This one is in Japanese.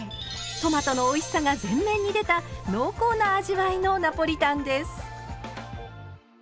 トマトのおいしさが全面に出た濃厚な味わいのナポリタンです。